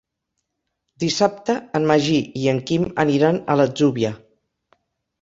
Dissabte en Magí i en Quim aniran a l'Atzúbia.